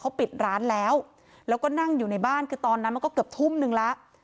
เขาปิดร้านแล้วแล้วก็นั่งอยู่ในบ้านคือตอนนั้นมันก็เกือบทุ่มนึงแล้ว